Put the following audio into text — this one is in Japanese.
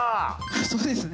そうですね。